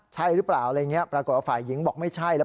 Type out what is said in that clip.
ใช่หรือเปล่าอะไรอย่างนี้ปรากฏว่าฝ่ายหญิงบอกไม่ใช่แล้ว